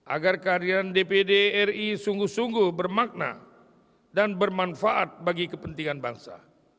agar kehadiran dpd ri sungguh sungguh bermakna dan bermanfaat bagi kepentingan bangsa